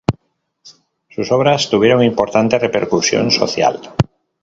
Sus obras tuvieron importante repercusión social.